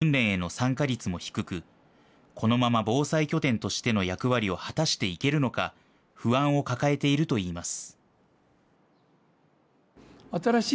さらに、若い世代の訓練への参加率も低く、このまま防災拠点としての役割を果たしていけるのか、不安を抱えているといいます。